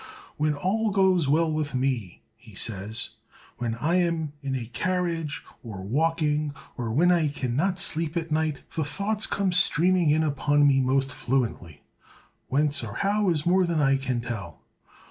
"When all goes well with me," he says—"when I am in a carriage, or walking, or when I can not sleep at night, the thoughts come streaming in upon me most fluently: whence, or how, is more than I can tell.